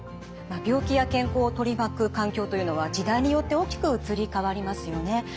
病気や健康を取り巻く環境というのは時代によって大きく移り変わりますよね。